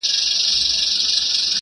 زيرى د ژوند.